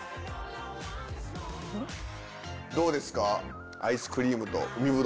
どうですか？